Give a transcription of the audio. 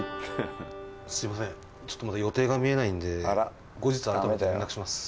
すいませんちょっとまだ予定が見えないんで後日改めて連絡します